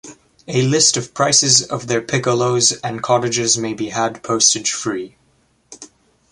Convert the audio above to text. A list of prices of their piccolos and cottages may be had postage free.